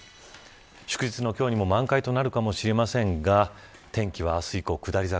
祝日の今日にも満開となるかもしれませんが天気は明日以降、下り坂